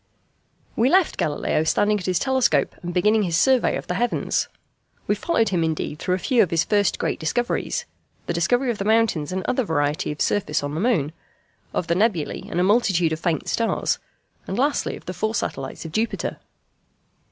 We left Galileo standing at his telescope and beginning his survey of the heavens. We followed him indeed through a few of his first great discoveries the discovery of the mountains and other variety of surface in the moon, of the nebulæ and a multitude of faint stars, and lastly of the four satellites of Jupiter.